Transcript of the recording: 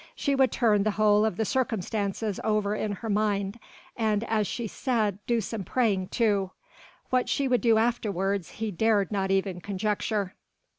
She would turn the whole of the circumstances over in her mind and as she said do some praying too. What she would do afterwards he dared not even conjecture.